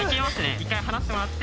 一回離してもらって。